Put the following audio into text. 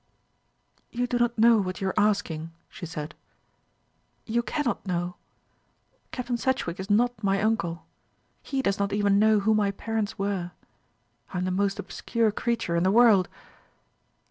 "You do not know what you are asking," she said; "you cannot know. Captain Sedgewick is not my uncle. He does not even know who my parents were. I am the most obscure creature in the world."